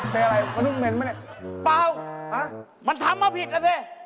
เปล่ามันทำมาผิดซะสิ